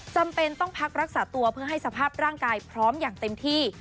จำเป็นต้องพักรักษาตัวเพื่อให้สภาพร่างกายพร้อมอย่างเต็มที่